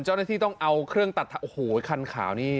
เจ้าหน้าที่ต้องเอาเครื่องตัดโอ้โหคันขาวนี่